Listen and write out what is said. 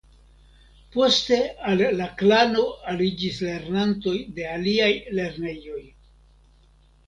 Poste al la Klano aliĝis lernantoj de aliaj lernejoj.